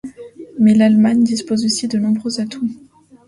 Mais l’Allemagne dispose aussi de nombreux atouts.